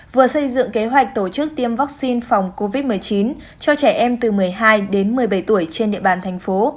vừa xây dựng kế hoạch tổ chức tiêm vaccine phòng covid một mươi chín cho trẻ em từ một mươi hai đến một mươi bảy tuổi trên địa bàn thành phố